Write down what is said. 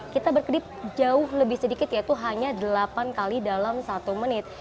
kita berkedip jauh lebih sedikit yaitu hanya delapan kali dalam satu menit